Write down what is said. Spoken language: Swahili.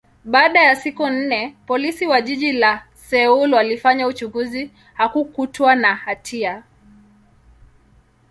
baada ya siku nne, Polisi wa jiji la Seoul walifanya uchunguzi, hakukutwa na hatia.